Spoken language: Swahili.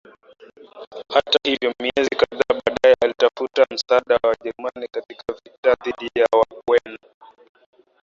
Hata hivyo miezi kadhaa baadaye alitafuta msaada wa Wajerumani katika vita dhidi ya Wabena